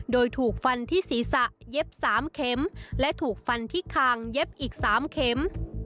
โดยถูกฟันที่ศีรษะเย็บ๓เข็มและถูกฟันที่คางเย็บอีก๓เข็ม